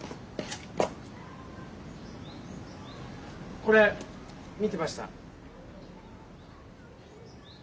これ見てました。